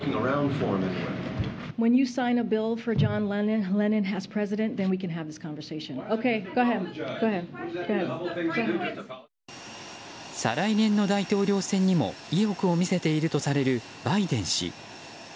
再来年の大統領選にも意欲を見せているとされるバイデン氏。